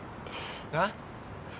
なっ。